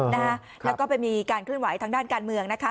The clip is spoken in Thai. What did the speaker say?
แล้วก็ไปมีการเคลื่อนไหวทางด้านการเมืองนะคะ